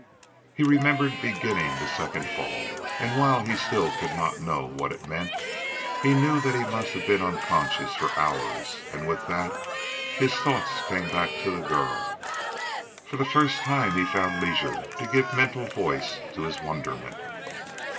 He remembered beginning the second fall; and, while he still could not know what it meant, he knew that he must have been unconscious for hours. And, with that, his thoughts came back to the girl. For the first time he found leisure to give mental voice to his wonderment.